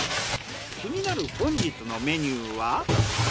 気になる本日のメニューは？